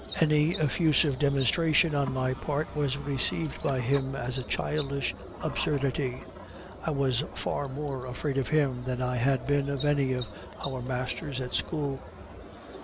Any effusive demonstration on my part was received by him as a childish absurdity. I was far more afraid of him than I had been of any of our masters at school.